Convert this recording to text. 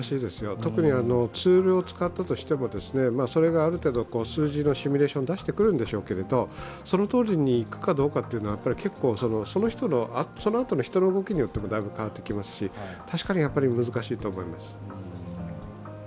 特にツールを使ったとしてもそれがある程度数字のシミュレーションを出してくるんでしょうけどそのとおりにいくかどうかは、そのあとの人の動きによってもだいぶ変わってきますし確かに難しいと思います。